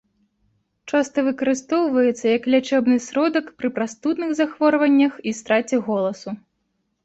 Часта выкарыстоўваецца як лячэбны сродак пры прастудных захворваннях і страце голасу.